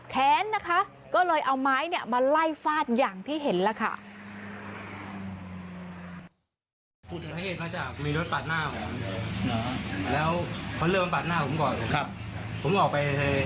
แค้นนะคะก็เลยเอาไม้มาไล่ฟาดอย่างที่เห็นแล้วค่ะ